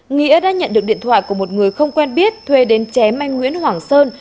nghĩa đã nhận được điện thoại của một người không quen biết thuê đến chém anh nguyễn hoàng sơn